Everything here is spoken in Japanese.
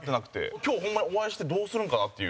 今日、ホンマにお会いしてどうするんかなっていう。